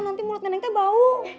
nanti mulut neneng teh bau